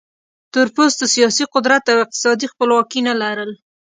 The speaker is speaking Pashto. تور پوستو سیاسي قدرت او اقتصادي خپلواکي نه لرل.